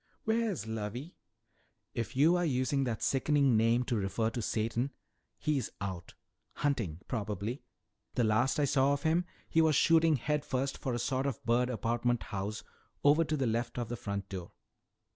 "Where's Lovey?" "If you are using that sickening name to refer to Satan he's out hunting, probably. The last I saw of him he was shooting head first for a sort of bird apartment house over to the left of the front door.